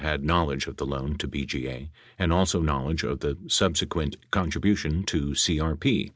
had knowl edge of the loan to BGA and also knowledge of the subsequent con tribution to CRP.